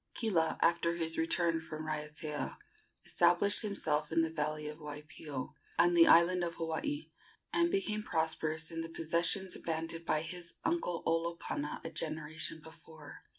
Kila, after his return from Raiatea, established himself in the valley of Waipio, on the island of Hawaii, and became prosperous in the possessions abandoned by his uncle Olopana a generation before.